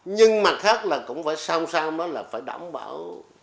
nhưng mặt khác là cũng phải sao sao là phải đảm bảo